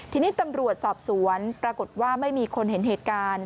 ทีนี้ตำรวจสอบสวนปรากฏว่าไม่มีคนเห็นเหตุการณ์